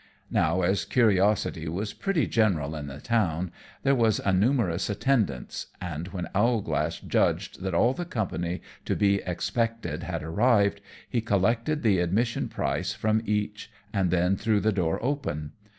Now, as curiosity was pretty general in the town, there was a numerous attendance; and when Owlglass judged that all the company to be expected had arrived, he collected the admission price from each, and then threw the door open.